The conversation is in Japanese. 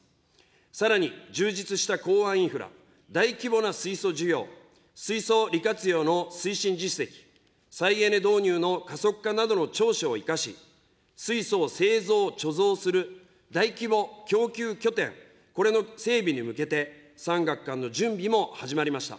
さらに充実した港湾インフラ、大規模な水素需要、水素利活用の推進実績、再エネ導入の加速化などの長所を生かし、水素を製造・貯蔵する大規模供給拠点、これの整備に向けて、産学官の準備も始まりました。